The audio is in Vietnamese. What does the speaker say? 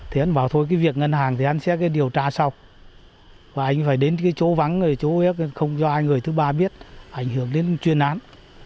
thì anh bảo thôi cái việc ngân hàng thì anh sẽ điều tra sau và anh phải đến cái chỗ vắng người chỗ không cho ai người thứ ba biết ảnh hưởng đến chuyên án